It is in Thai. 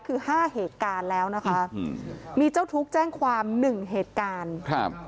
คือห้าเหตุการณ์แล้วนะคะอืมมีเจ้าทุกข์แจ้งความหนึ่งเหตุการณ์ครับ